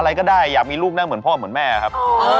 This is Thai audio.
อะไรก็ได้อยากมีลูกนั่งเหมือนพ่อเหมือนแม่ครับ